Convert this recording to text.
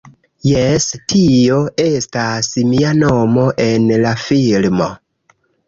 Jes tio estas mia nomo en la filmo.